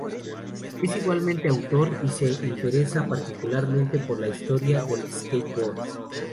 Es igualmente autor y se interesa particularmente por la historia del skate-board.